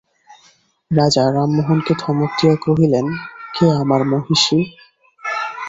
রাজা রামমোহনকে ধমক দিয়া কহিলেন, কে আমার মহিষী?